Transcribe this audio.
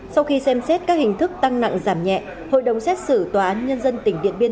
sau khi xem xét các hình thức tăng nặng giảm nhẹ hội đồng xét xử tòa án nhân dân tỉnh điện biên